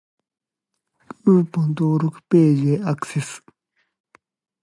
クーポン登録ページへアクセス